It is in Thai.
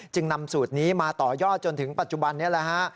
นำสูตรนี้มาต่อยอดจนถึงปัจจุบันนี้แหละฮะ